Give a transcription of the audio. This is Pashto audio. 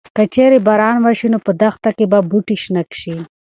که چېرې باران وشي نو په دښته کې به بوټي شنه شي.